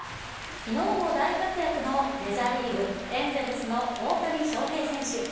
きのうも大活躍のメジャーリーグ・エンゼルスの大谷翔平選手。